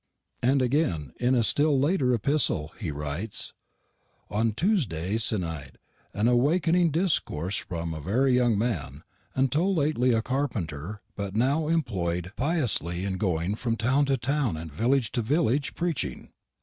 And again, in a still later epistle, he writes, "On Toosday sennite an awakning discorse fromm a verry young man, until lately a carppenter, but now imploid piusly in going from toun to toun and vilage to vilage, preching.